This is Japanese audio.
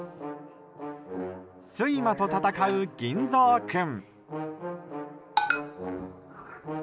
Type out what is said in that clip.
睡魔と戦う銀三君。